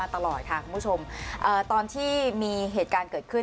อันดับที่สุดท้าย